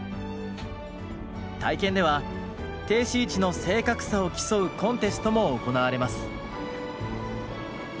体験では停止位置の正確さを競うコンテストも行われます。